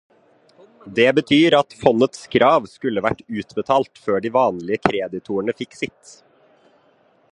Det betyr at fondets krav skulle vært utbetalt før de vanlige kreditorene fikk sitt.